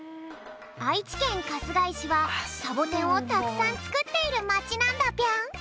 あいちけんかすがいしはサボテンをたくさんつくっているまちなんだぴょん。